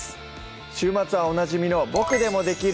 週末はおなじみの「ボクでもできる！